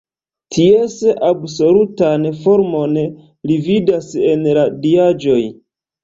Ties absolutan formon li vidas en la diaĵoj.